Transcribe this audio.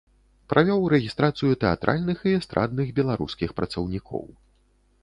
Правёў рэгістрацыю тэатральных і эстрадных беларускіх працаўнікоў.